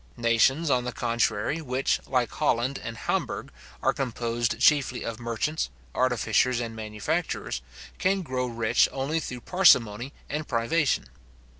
Nations, on the contrary, which, like Holland and Hamburgh, are composed chiefly of merchants, artificers, and manufacturers, can grow rich only through parsimony and privation.